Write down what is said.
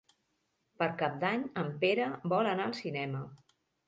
Per Cap d'Any en Pere vol anar al cinema.